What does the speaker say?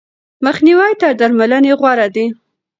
مخنیوی تر درملنې غوره دی.